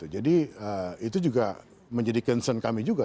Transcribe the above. jadi itu juga menjadi concern kami juga